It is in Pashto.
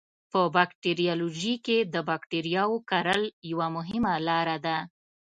په باکتریالوژي کې د بکټریاوو کرل یوه مهمه لاره ده.